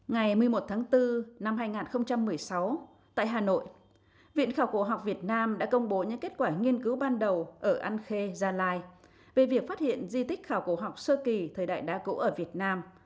ngày một mươi một tháng bốn năm hai nghìn một mươi sáu tại hà nội viện khảo cổ học việt nam đã công bố những kết quả nghiên cứu ban đầu ở an khê gia lai về việc phát hiện di tích khảo cổ học sơ kỳ thời đại đá cỗ ở việt nam